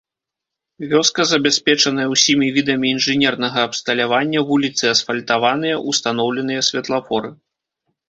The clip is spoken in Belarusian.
Вёска забяспечаная ўсімі відамі інжынернага абсталявання, вуліцы асфальтаваныя, устаноўленыя святлафоры.